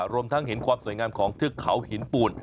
รวมทั้งเห็นความสวยงามของเทือกเขาหินปูน